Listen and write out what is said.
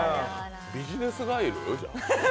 ビジネスガイル？